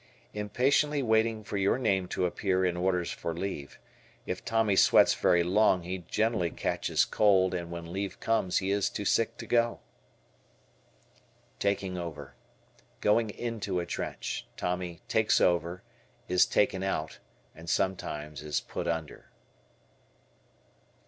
Impatiently waiting for your name to appear in orders for leave. If Tommy sweats very long he generally catches cold and when leave comes he is too sick to go. T "Taking over." Going into a trench. Tommy "takes over," is "taken out" and sometimes is "put under."